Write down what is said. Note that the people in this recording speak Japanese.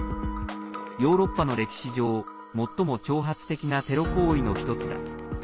「ヨーロッパの歴史上最も挑発的なテロ行為の１つだ」。